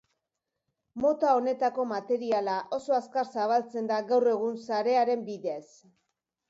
Mota honetako materiala oso azkar zabaltzen da gaur egun sarearen bidez.